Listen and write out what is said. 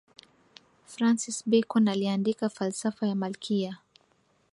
francis bacon aliandika falsafa ya malkia